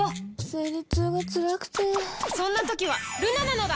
生理痛がつらくてそんな時はルナなのだ！